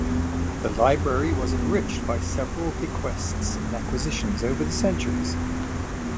The library was enriched by several bequests and acquisitions over the centuries.